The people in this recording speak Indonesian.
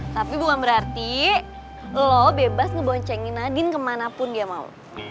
tapi bukan berarti lo bebas ngeboncengin nadine kemanapun dia mau